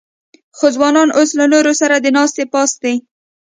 خو ځوانان اوس له نورو سره د ناستې پاستې